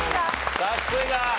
さすが！